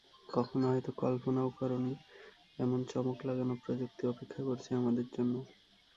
কখনো হয়তো কল্পনাও করোনি, এমন চমক লাগানো প্রযুক্তি অপেক্ষা করছে আমাদের জন্য।